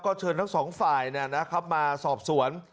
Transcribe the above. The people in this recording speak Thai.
ก็เชิญทั้งสองฝ่ายนะครับมาสอบสวน